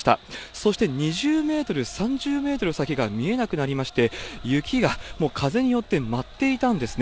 そして２０メートル、３０メートル先が見えなくなりまして、雪がもう風によって舞っていたんですね。